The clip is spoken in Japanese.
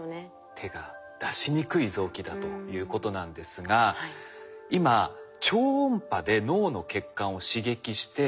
手が出しにくい臓器だということなんですが今超音波で脳の血管を刺激してアルツハイマーを治療しよう。